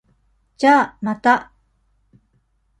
じゃあ、また。